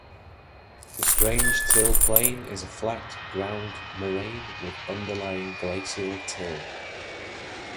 The Strange Till Plain is a flat ground moraine with underlying glacial till.